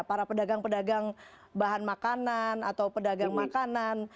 para pedagang pedagang bahan makanan atau pedagang makanan